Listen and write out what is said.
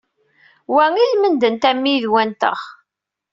Wa i lmend n tammidwa-nteɣ.